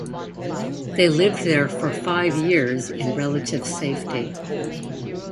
They lived there for five years in relative safety.